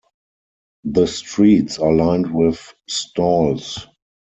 The streets are lined with stalls.